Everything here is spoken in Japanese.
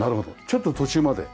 ちょっと途中まで。